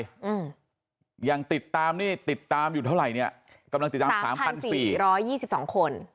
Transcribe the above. อืมยังติดตามนี่ติดตามอยู่เท่าไหร่เนี้ยกำลังติดตามสามพันสี่ร้อยยี่สิบสองคน